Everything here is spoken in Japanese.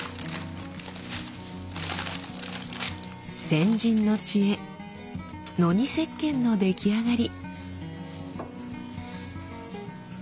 先人の知恵ノニせっけんの出来上がり。